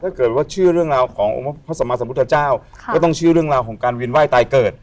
ถ้าเกิดว่าชื่อเรื่องราวขององค์พระสัมมาสัมพุทธเจ้าก็ต้องเชื่อเรื่องราวของการเวียนไห้ตายเกิด